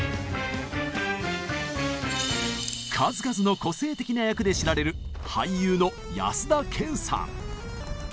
数々の個性的な役で知られる俳優の安田顕さん。